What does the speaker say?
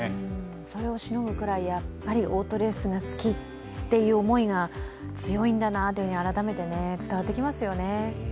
それをしのぐくらい、オートレースが好きという思いが強いんだなと改めて伝わってきますよね。